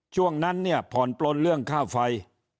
ช่วงนั้นเนี่ยผ่อนปลนเรื่องค่าไฟ